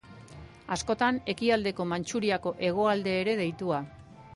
Askotan Ekialdeko Mantxuriako hegoalde ere deitua.